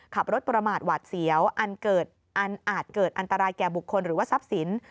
ขับรถประมาทหวาดเสียวอันเกิดอันอาจเกิดอันตรายแก่บุคคลหรือว่าทรัพย์สิน